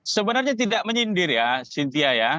sebenarnya tidak menyindir ya cynthia ya